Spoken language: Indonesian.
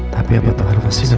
tapi apa tau masih ngece og